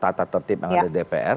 tata tertib yang ada di dpr